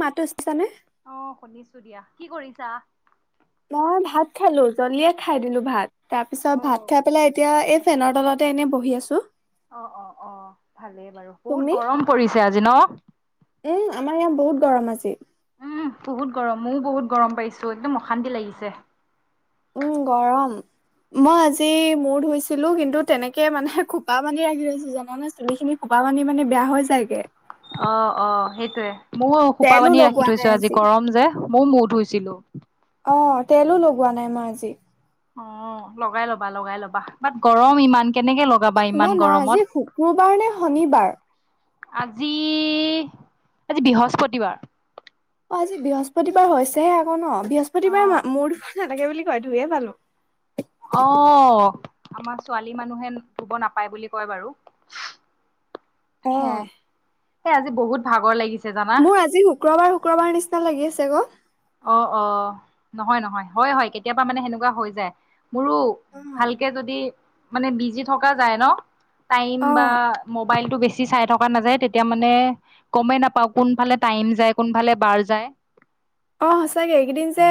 মাত। আহ শুনিছো দিয়া। কি কৰিছা? মই ভাত খালো জলিয়ে খাই দিলো ভাত তাৰ অ পিছত ভাত খাই পেলাই এতিয়া এই [unintelligible] চেনৰ তলতে এনে বহি আছো। অ' অ' অ' ভালেই বাৰু বহুত তুমি? গৰম পৰিছে। আজি ন ই বহুত গৰম আজি [unintelligible] উম বহুত গৰম ময়ও বহুত গৰম পাইছো একদম অশান্তি লাগিছে [unintelligible] উম গৰম। মই আজি মূৰ ধূইছিলো কিন্তু তেনেকে মানে খোপা বান্ধি ৰাখি থৈছো জানে চুলি খিনি খোপা [unintelligible] পাপ পানী মানে বেয়া হৈ যায়গে [unintelligible] অ অ সেইটোয়ে ময়ো খোপা তেলো বান্ধি লগোৱা ৰাখি নাই থৈছো আজি গৰম যে। মই মূ ধুইছিলোঁ [unintelligible] অ তেলো লগোৱা নাই মই আজি। অ' লগাই ল'বা লগাই ল'বা বাত গৰম ইমান কেনেকে লগাবা শুনা ইমান না আজি গৰমত? শুক্ৰবাৰ নে শনিবাৰ? আজি আজি বৃহস্পতিবাৰ। অ'আজি বৃহস্পতিবাৰ হৈছেহে আকৌ ন অ বৃহস্পতিবাৰ মোৰ সেনেকে বুলি কয় ধূয়ে পালো [unintelligible] অ আমাৰ ছোৱালী মানুহে ধোব নাপায় বুলি কয় বাৰু [unintelligible] অ হে এই আজি বহুত ভাগৰ লাগিছে। জানা মোৰ আজি শুক্ৰবাৰ শুক্ৰবাৰ নিচিনা লাগি আছে গ অ' অ' নহয় নহয় হয় হয় কেতিয়াবা মানে সেনেকুৱা হৈ যায়। মোৰো অ', ভালকে যদি মানে বিজি থকা যায় ন। টাইম বা মোবাইলটো বেছি। বেছি চাই থকা নাযায় তেতিয়া মানে গমেই নাপাও কোনফালে টাইম যায় কোনফালে বাৰ যায়। [inaudible] অ সচাকে এইকেইদিন যে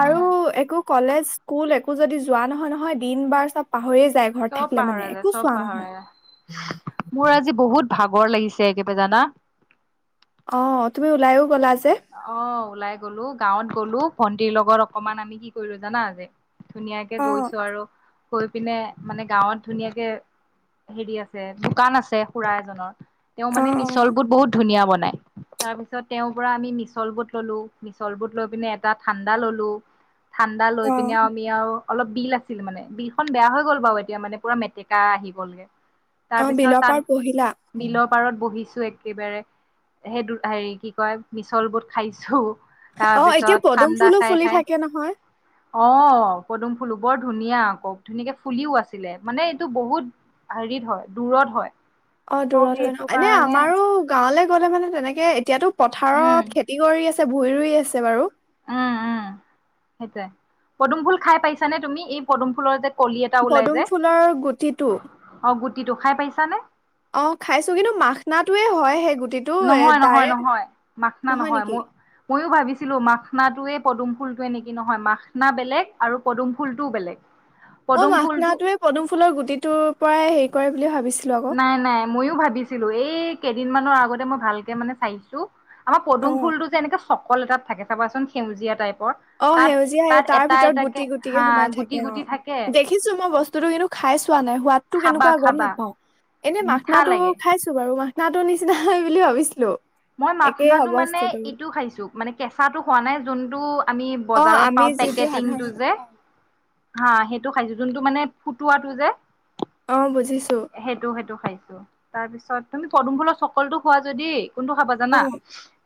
আৰু একো। কলেজ স্কুল একো যদি যোৱা নহয় নহয়। দিন বাৰ চব পাহৰি য চব পাহৰা যায় চব পাহৰা যা মোৰ আজি বহুত [unintelligible] ভাগৰ লাগিছে একেবে জানা [unintelligible] অ' তুমি ওলাইও গ'লা যে। অ' ওলাই গ'লো। গাঁৱত গ'লো ভন্টিৰ লগত অকমান আমি কি কৰিলো জানা। আ যে ধুনীয়াকে অ', গৈছো আৰু গৈ পিনে মানে গাঁৱত ধুনীয়াকে হেৰি আছে দোকান আছে খুৰা এজনৰ [unintelligible] তেওঁ মানে অ', মিছল অ', বোৰ বহুত ধুনীয়া বনাই তাৰপিছত তেওঁৰ পৰা আমি [unintelligible] মিছল বুট ললো মিছল বুট লৈ পিনে এটা ঠাণ্ডা ললো ঠাণ্ডা লৈ পিনে অ', আমি আৰু অলপ বিল আছিল মানে বিলখন বেয়া হৈ গ'ল বাৰু এতিয়া মানে পুৰা মেটেকা আহি গ'লগে। তাৰ অ', পিছত বিলৰ তাত পাৰ বহিলা বিলৰ পাৰত বহিছো [unintelligible] একেবাৰে সেই হেৰি কি কয় মিছল বোট খাইছো। অ', এতিয়া তাৰপিছত পদুম ঠাণ্ডা ফুলো খাই ফুলি খাই থাকে নহয়। অ' পদুম ফুলো বৰ ধুনীয়া আক ধুনীয়াকে ফুলিও আছিলে মানে এইটো বহুত হেৰিত হয় দূৰত হয়। অ ত' দূৰত হয় ন সেইটো এনে কাৰণে আমাৰো গাঁৱলে গ'লে মানে তেনেকে এতিয়াতো। উম পথাৰত খেতি কৰি আছে ভূঁই ৰুই আছে বাৰু। উম উম, সেইটোৱে পদুম ফুল খাই পাইছানে তুমি এই পদুম ফুলৰ যে কলি পদুম ফুলৰ গুটিটো এট অ খাইছো কিন্তু মাখনা টোয়ে হয় সেই গু নহয়, নহয়, নহয় মাখনা নহয় মই ময়ো ভাবিছিলো মাখনাটোয়ে- পদুম ফুলটোৱে নেকি নহয়, মাখনা বেলেগ আৰু পদুম ফুলটোও বেলেগ। মই পদুম ফুলটো মাখনাটোৱে পদুম ফুলৰ গুটিটোৰ পৰাই হেৰি কৰে বুলি ভাবিছো। নাই নাই ময়ো ভাবিছিলো এই কেইদিনমানানৰ আগতে মই ভালকে মানে চাইছো- আমাৰ পদুম অ'। ফুলটো যে এনেকে সকল এটাত থাকে চাবাচোন সেউজীয়া টাইপ। অ সেউজীয়া এই তাৰ ভিতৰত গুটি গুটিকে হা সোমাই গুটি থাকে অ গুটি থাকে দেখিছো মই বস্তুতটো কিন্তু খাইছো- চোৱা নাই সোৱাদটো খাবা কেনেকুৱা গম খাবা নাপাও, এনে মিঠা মাখনাটো লাগে। খাইছো বাৰু মা মাখনাটো নিচিনা হয় বুলি ভাবিছিলোঁ- মই মাখনাটো মানে এইটোও খাইছো মানে কেঁচাটো খোৱা নাই যোনটো- আমি অ', বজাৰত আমি পাওঁ যিটো সাধাৰণ পেকেটিংটো যে। হা সেইটো খাইছো যোনটো মানে ফুটোৱাটো যে- অ বুজিছো। সেইটো সেইটো খাইছো, তাৰ পিছত তুমি পদুম ফুলৰ চকলটো খোৱা যদি ই কোনটো খাবা অ'। জানা?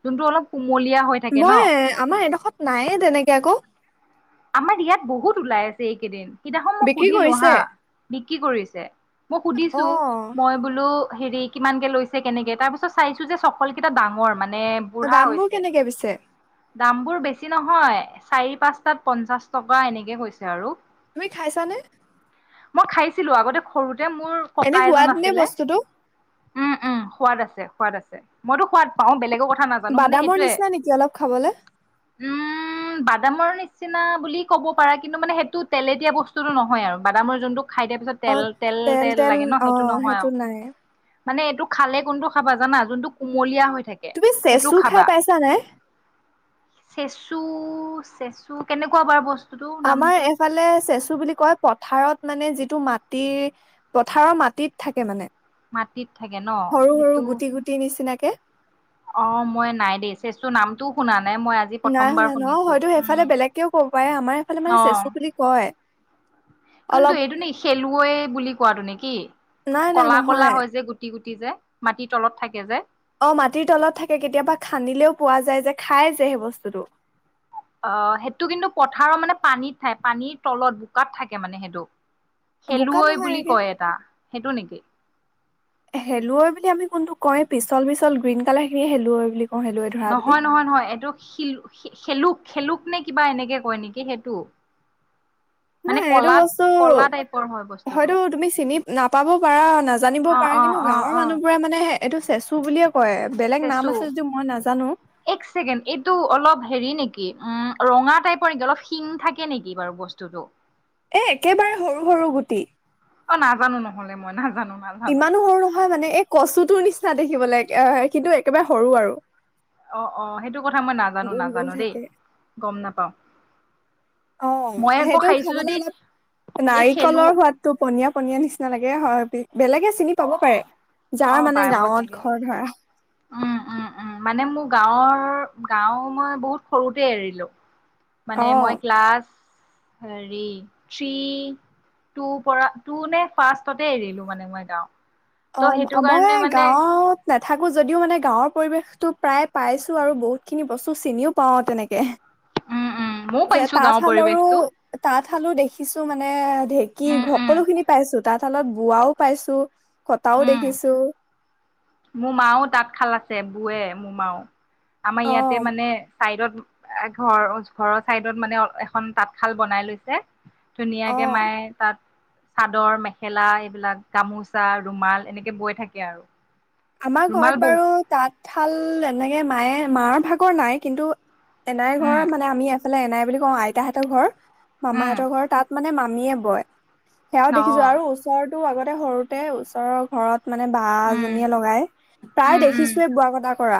যোনটো অলপ কুমলীয়া হৈ থাকে ন। মই আমাৰ এডোখৰত নায়ে তেনেকে আকৌ। আমাৰ ইয়াত বহুত ওলাই আছে এইকেইদিন। সেইদিনাখন মই বিক্ৰী সুধিলো কৰিছে হা, বিক্ৰী কৰিছে মই সুধিছো অ', মই বোলো হেৰি কিমান কে লৈছে কেনেকে তাৰ পিছত চাইছো যে চকল কেইটা ডাঙৰ মানে- মানে বুঢ়া দামবোৰ হৈছে- কেনেকে পিছে? দামবোৰ বেছি নহয়, চাৰি- পাঁচটাত পঞ্চাশ টকা এনেকে কৈছে আৰু। তুমি খাইছানে? মই খাইছিলো আগতে সৰু- এ মোৰ এনে ককা এজন সোৱাদ নে আছিলে, বস্তুটো? উম উম সোৱাদ আছে। সোৱাদ আছে, মইতো সোৱাদ পাওঁ বেলেগৰ নাজানো মানে বাদামৰ সেইটোৱে নিচিনা নেকি অলপ খাবলে? উম বাদামৰ নিচিনা বুলি ক'ব পাৰা কিন্তু মানে সেইটো তেলেতিয়া বস্তুটো নহয় আৰু বাদামৰ যোনটো খাই দিয়াৰ পিছত তেল -তেল -তেল লাগে ন সেইটো নহয় আৰু। মানে এইটো খালে কোনটো খাবা জানা যোনটো কুমলীয়া হৈ- থাকে তুমি সেইটো চেচু খাই খাবা, পাইছা নাই? চেচু চু কেনেকুৱা বাৰু বস্তু আমাৰ এফালে চেচু বুলি কয় প পথাৰত মানে যিটো মাটি পথাৰৰ মাটিত থাকে মানে। মাটিত থাকে ন সৰু সৰু সেইটো গুটি গুটি নিচিনাকে- অ মই নাই দেই চেচু নামটোও শুনা না নাই মই আজি নাই প্ৰথমবাৰ শুনা ন শুনিছো হয়তো সেইফালে উম বেলেগকেও ক'ব পাৰে আমাৰ এইফালে মানে অ চেচু বুলি কয়। অলপ কিন্তু এইটো নে খেলুৱৈ বুলি কোৱাটো নেকি? নাই নাই কলা- কলা নহয়। হয় যে গুটি -গুটি যে মাটিৰ তলত থাকে যে। অ মাটিৰ তলত থাকে কেতিয়াবা খান্দিলেও পোৱা যায় যে খাই যে সেই বস্তুটো। অ সেইটো কিন্তু পথাৰৰ মানে পানীত পায়, পানীৰ তলত বোকাত থাকে মানে সেইটো। বোকাত খেলুৱৈ নহয় বুলি এনেকে, কয় এটা সেইটো নেকি হেলুৱৈ বুলি আমি কোনটো কই পিছল পিছল গ্ৰীণ‌ ‌কালাৰ খিনি‌ হেলো শেলুৱৈ বুলি কওঁ হেলুৱৈ ধৰা বুলি। নহয় নহয় নহয় এইটো শিল শেলুক খেলুক নে কিবা এনেকে কয় নেকি সেইটো। মানে নাই এইটো কলাত বস্তু কলা টাইপৰ হয় বস্তুটো হয়টো তুমি চিনি নাপাবও অ অ অ অ পাৰা কয় বেলেগ নাম চেচু, আছে যদিও মই নাজানো এক ছেকেণ্ড এইটো অলপ হেৰি নেক উম ৰঙা টাইপৰ নেকি অলপ শিং থাকে নেকি বাৰু বস্তুটো? এ একেবাৰে সৰু সৰু গুটি। অঁ নাজানো নহলে মই নাজানো। নাজানো ইমানো সৰু নহয় মানে, এই কচুটোৰ নিচিনা দেখিবলৈ এ কিন্তু একেবাৰে সৰু আৰু। অঁ অঁ সেইটো কথা মই নাজানো গোল গোল নাজানো দেই থাকে গম নাপাও। অ মই আকৌ সেইটো খাইছো খাবলে যদি অলপ এই খেলো নাৰিকলৰ সোৱাদতটো পনীয়া পনীয়া নিচিনা লাগে। হয় বেলেগে চিনি পাব পাৰে অ যাৰ মানে পাব গাঁৱত চাগে ঘৰ ধৰা উম উম উম মানে মোৰ গাঁৱৰ গাঁও মই বহুত সৰুতে এৰিলো। মানে অ মই ক্লাছ হেৰি থ্ৰী তোৰ পৰা তোৰ নে ফাৰ্ষ্টতে এৰিলো মানে মই গাও। অঁ মই গাঁৱত নাথাকোঁ যদিও মানে গাঁৱৰ পৰিৱেশটো প্ৰায় পাইছোঁ আৰু বহুতখিনি বস্তু চিনিও পাওঁ তেনেকে। উম, উম, ময়ও যে পাইছো গাঁওৰ তাঁতশালৰো পৰিৱেশটো। তাঁত শালো দেখিছো মানে, ঢেঁকী উম, উম, সকলো খিনি পাইছো তাঁশালত বোৱাও পাইছো। কটাও উম, দেখিছো। মোৰ মাও তাঁত শাল আছে বুৱে মোৰ মাও, আমাৰ অ ইয়াতে মানে চাইডত ঘৰ ঘৰৰ চাইডত মানে এখন তাঁতশাল বনাই লৈছে। অ ধুনীয়াকে মায়ে তাত। চাদৰ মেখেলা এইবিলাক গামোচা ৰুমাল এনেকে বৈ থাকে আৰু। আমাৰ ঘৰত ৰুমাল বৌ বাৰু তাঁতশাল এনেকে মায়ে মাৰ ভাগৰ নাই, কিন্তু এনাইৰ উম, ঘৰৰ মানে আমি এ ফলে এনাই বুলি কওঁ আইতাহঁতৰ ঘৰ উম, মামাহঁতৰ ঘৰ তাত মানে মামীয়ে বয়। সেয়াও দেখিছো অ', আৰু ওচৰৰতো আগতে সৰু ওচৰৰ ঘৰত মানে বা উম, এজনী। প্ৰায় উম, উম, দেখিছো বোৱা কটা কৰা।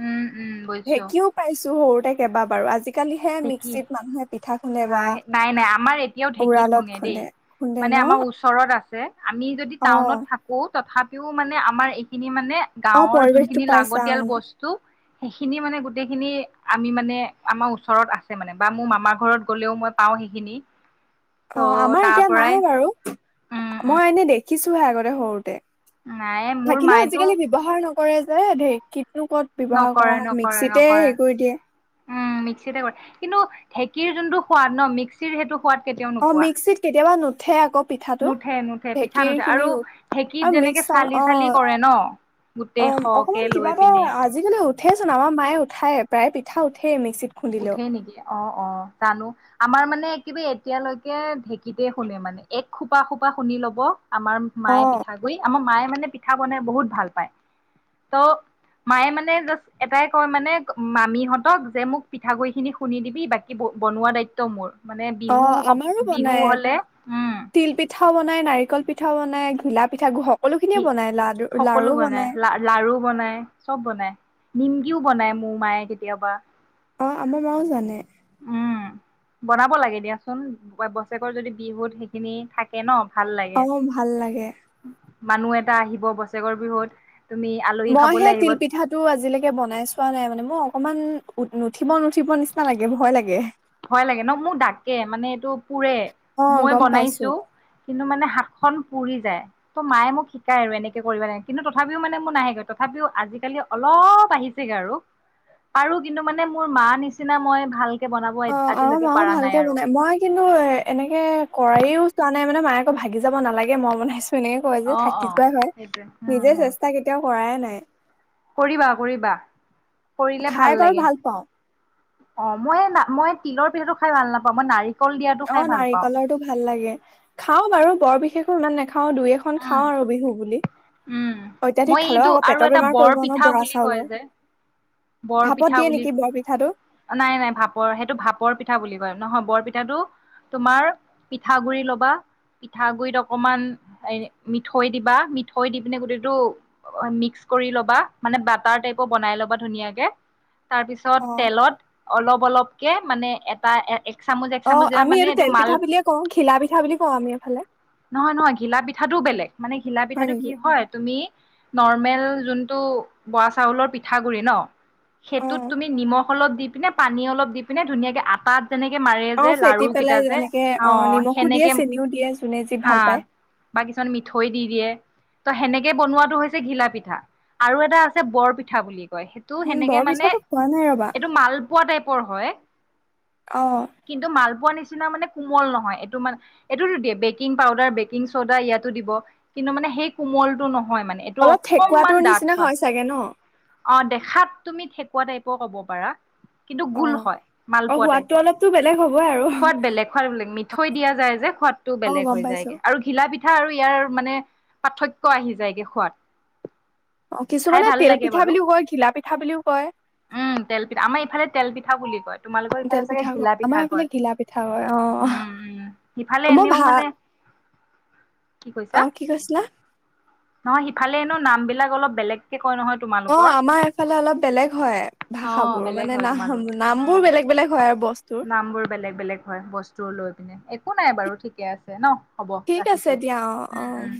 উম, উম, বুজিছো ঢেঁকীও পাইছো। সৰুতে কেবা বাৰু আজি আজিকালিহে ঢেঁকী মিক্সিত মানুহে পিঠা খুন্দে হা বা নাই নাই আমাৰ এতিয়াও ঢেঁকীত উৰালত দেই। খুন্দে খুন্দে। মানে ন আমাৰ ওচৰত আছে আমি যদি অ টাউনত থাকো তথাপ - ও মানে আমাৰ এইখিনি মানে অ গাঁৱৰ পৰিৱেশটো যোনখিনি পাইছা অ লাগতিয়াল বস্তু সেইখিনি মানে গোটেইখিনি আমি মানে আমাৰ ওচৰত আছে মানে বা মোৰ মামাৰ ঘৰত গ'লেও মই পাওঁ সেইখিনি। অঁ ত' আমাৰ তাৰ এতিয়া পৰাই নাই বাৰু উম উম মই এনে দেখিছোহে আগতে সৰুতে। নাই মোৰ থাকিলেও মায়েতো আজিকালি ব্যৱহাৰ নকৰে যে ঢেৰ নকৰে নকৰে নকৰে, কৰি দিয়ে উম মিক্সিতে কৰে। কিন্তু ঢেঁকীৰ যোনটো সোৱাদ ন মিক্সিৰ সেইটো সোৱাদ কেতিয়াও অঁ নোপোৱা। মিক্সিত কেতিয়াবা নুঠে আকৌ। পিঠাটো। নুঠে নুঠে পিঠা ঢেঁকীৰ নুঠে খিনি আৰু ঢেঁকীত আৰু মিক্স যেনেকে চল চালি অ। চালি কৰে ন গোটেই অঁ সৰহকে অকমান কিবা লৈ এটা পিনে আজিকালি উঠেচোন আমাৰ মায়ে উঠাই প্ৰায়ে পিঠা উঠে এনেক উঠেই নেকি? অ-অ জানো? আমাৰ মানে কিবা এতিয়ালৈকে ঢেঁকীতে খুন্দে মানে। এক খোপা খোপা খুন্দি লব। আমাৰ অ মায়ে পিঠাগুই, আমাৰ মায়ে মানে পিঠা বনাই বহুত ভাল পায়। ত মায়ে মানে জাষ্ট এটাই কয় মানে মামীহঁতক যে মোক পিঠাগুই খিনি খুন্দি দিবি। বাকী বনোৱা দায়িত্ব মোৰ। মানে অ বিহু, আমাৰো বিহু হলে, উম। পিঠা বনায়, নাৰিকল পিঠা বনায়, ঘিলা পিঠাও হক ঘি সকলো বনাই লা-লাৰু বনাই চব বনাই, নিম কিও বনাই মোৰ মায়ে কেতিয়াবা। অ আমাৰ মাও জানে। উম, বনাব লাগে দিয়াচোন। বছেকৰ যদি বিহুত সেইখিনি থাকে ন ভাল লাগে অ, ভাল লাগে। মানুহ এটা আহিব বছেৰেকৰ বিহুত। তুমি আলহী মই খাবলৈ সেই আহিব তিল পিঠাটো আজিলৈকে বনাই চোৱা নাই, মানে মোক অকণমান নুঠিব নুঠিব নিচিনা লাগে, ভয় লাগে। ভয় লাগে ন? মোৰ ডাকে মানে এইটো পোৰে। অ মই গম পাইছো বনাইছোঁ। কিন্তু মানে হাতখন পুৰি যায়। তহ মায়ে মোক শিকায় আৰু এনেকে কৰিব লাগে কিন্তু, তথাপিও মানে মোৰ নাহেগৈ। তথাপি তথাপিও আজিকালি অলপ আহিছেগে আৰু। পাৰো। কিন্তু মানে মোৰ মাঁ নিচিনা মই ভালকে বনা অ আমা মাও ভালকে বনায়। মই কিন্তু এ এনেকে কৰাইও চোৱা নাই মানে মায়ে ঐ ভাগি যাব নালাগে মই বনাইছো এনেকে কয় যে, অ', থাকি অ', যোৱাই হয়। সেইটোৱে উম, নিজে হম, চেষ্টা কেতিয়াও কৰাই নাই। [unintelligible] কৰিবা, কৰিবা। কৰিলে খাই ভাল বাৰু লাগে। পাওঁ অ, মই মই তিলৰ পিঠাটো খাই ভাল নাপাওঁ, মই নাৰিক অ নাৰিকলৰটো ভাল লাগে। খাওঁ বাৰু। বৰ বিশেষো ইমান নে খাওঁ, দুই এখন উম, খাওঁ আৰু বিহু বুলি। উম, মই অত্যাধিক খালে এইটো আকৌ আৰু পেটৰ এটা বেমাৰ কৰিব ন বৰা চাউলৰ। ভাপত বৰপিঠা দিয়ে বুলি, নেকি বৰ পিঠাটো নাই-নাই। ভাপৰ সেইটো ভাপৰ পিঠা বুলি কয়। নহয় বৰ পিঠাটো তোমাৰ পিঠা গুৰি লবা পিঠাগুৰিত অকমান এ মিঠৈ দিবা, মিঠৈ দি পিনে গোটেইটো অ মিক্স কৰি ল'বা। মানে বাটাৰ টাইপৰ বনাই ল'বা ধুনীয়াকে। তাৰপিছত অ তেলত অলপ-অলপকে মানে এটা এ অ আমি এইটো তেল পিঠা বুলিয়ে কওঁ, ঘিলা পিঠা বুলি কওঁ আমি এইফালে। নহয়, নহয়। ঘিলা পিঠাটো বেলেগ। মানে ঘিলা হয় পিঠাটো কি নেকি হয় তুমি নৰ্মেল যোনটো বৰা চাউলৰ পিঠা গুৰি ন? অ সেইটোত তুমি নিমখ অলপ দি পিনে পানী অলপ দি পিনে ধুনীয়াকৈ আটা তেনেকে মাৰে অ যে ফেটি লাৰু পেলাই কেইটা যে এনেকে অ নিমখো দিয়ে সেনেকে, চেনিও দিয়ে যোনে যি হা। ভাল পায় বা কিছুমান মিঠৈ দি দিয়ে। তহ সেনেকে বনোৱাটো হৈছে ঘিলা পিঠা আৰু এটা আছে বৰ পিঠা বুলি। কয় সেইটো উম সেনেকে বৰ মানে পিঠাটো খোৱা নাই ৰবা এইটো মালপোৱা টাইপ ৰ হয়। অ কিন্তু মালপোৱা নি নিচিনা মানে কোমল নহয়। এইটো মানে এইটোতো দিয়ে বেকিং পাউদাৰ বেকিং চ'দা ইয়াতো দিব। কিন্তু মানে সেই কোমলটো নহয় মানে। এইটো অলপ অকনমান ঠেকুৱাটোৰ ডাঠ নিচিনা হয়। চাগে ন অ দেখাত তুমি ঠেকুৱা টাইপৰ ক'ব পাৰা। কিন্তু অ গোল হয় অ মালপোৱা সোৱাদটো টাইপৰ। অলপতো বেলেগ হ'বই আৰু সোৱাদ বেলেগ, সোৱাদ বেলেগ। মিঠৈ দিয়া যায় যে সোৱাদটো অ বেলেগ গম হৈ পাইছো যায়গে আৰু ঘিলা পি ঠা আৰু ইয়াৰ মানে পাৰ্থক্য আহি যায়গে খোৱাত। অ কিছুমানে তেল পিঠা বুলিও কয়, ঘিলা পিঠা বুলিও কয়। উম তেল পিঠা আমাৰ ইফালে তেল পিঠা বুলি কয়, তোমালোকৰ তেল ইফালে চাগে পিঠা কয় ঘিলা আমাৰ পিঠা এইফালে কয়। ঘিলা পিঠা কয় অ উম, উম। সিফালে এনেও মানে কি কৈছা অহ কি কৈছিলা? নহয় সিফালে ন নাম বিলাক অলপ বেলেগকে কয় নহয় অ তোমালোকৰ? আমাৰ এইফালে অলপ বেলেগ হয় অ ভাষাবোৰ বেলেগ মানে, হয় নাম তোমালোকৰ। নাম বোৰ বেলেগ বেলেগ হয় আৰু বস্তুৰ। নামবোৰ বেলেগ বেলেগ হয় বস্তু লৈ পিনে একো নাই বাৰু ঠিকে আছে ন। হ'ব ঠিক আছে ৰাখিছোঁ। দিয়া অ অ। উম উম।